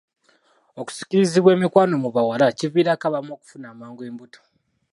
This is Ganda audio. Okusikirizibwa emikwano mu bawala kiviirako abamu okufuna amangu embuto.